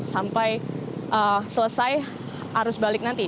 sampai selesai arus balik nanti